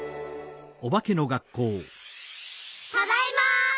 ただいま。